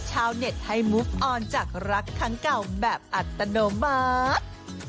ชาวเน็ตให้มุฟออนจากรักครั้งเก่าแบบอัตโนมัติ